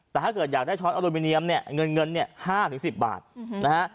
แต่ถ้าเกิดอยากได้ช้อนอลูมิเนียมเนี่ยเงินเงินเนี่ย๕๑๐บาทนะฮะ